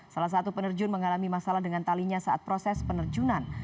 salah satu penerjun mengalami masalah dengan talinya saat proses penerjunan